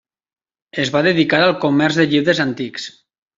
Es va dedicar al comerç de llibres antics.